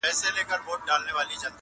• یو وخت زما هم برابره زندګي وه -